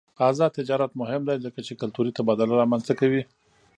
آزاد تجارت مهم دی ځکه چې کلتوري تبادله رامنځته کوي.